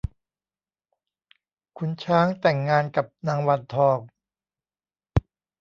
ขุนช้างแต่งงานกับนางวันทอง